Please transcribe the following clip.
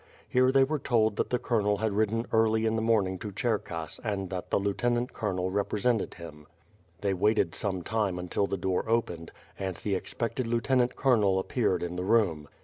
Here they were told that the colnriel had ridden early in the morninE^ to Cherkass and that the lieutenant colonel represented him. They waited some 21 I 212 ^VJ'^f^ ^'iKE AXD i^WORD. time until the door opened, and the expected lieutenant col onel appeared in the room.